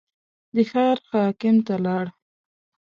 د ښار حاکم ته لاړ.